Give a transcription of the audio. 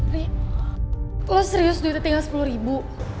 nih lo serius duitnya tinggal sepuluh ribu